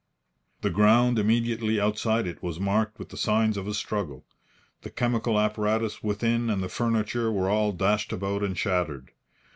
The ground immediately outside it was marked with the signs of a struggle. The chemical apparatus within and the furniture were all dashed about and shattered.